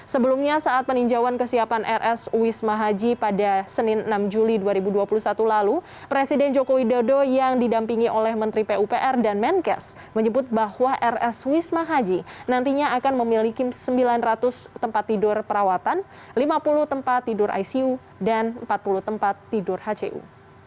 sebelumnya saat peninjauan kesiapan rs wisma haji pada senin enam juli dua ribu dua puluh satu lalu presiden joko widodo yang didampingi oleh menteri pupr dan menkes menyebut bahwa rs wisma haji nantinya akan memiliki sembilan ratus tempat tidur perawatan lima puluh tempat tidur icu dan empat puluh tempat tidur hcu